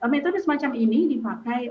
metode semacam ini dipakai